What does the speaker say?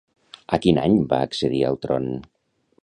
A quin any va accedir al tron?